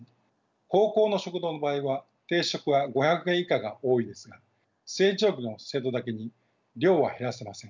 高校の食堂の場合は定食は５００円以下が多いですが成長期の生徒だけに量は減らせません。